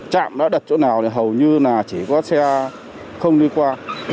trạm đã đặt chỗ nào thì hầu như là chỉ có xe không đi qua